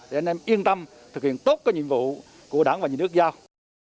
để anh em yên tâm thực hiện tốt các nhiệm vụ của đảng và những nước giao